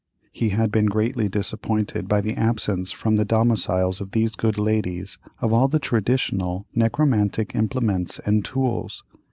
He had been greatly disappointed by the absence from the domiciles of these good ladies of all the traditional necromantic implements and tools.